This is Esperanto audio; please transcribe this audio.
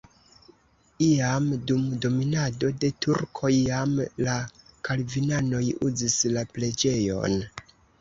Iam dum dominado de turkoj jam la kalvinanoj uzis la preĝejon.